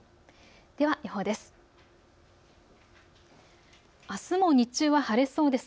では予報です。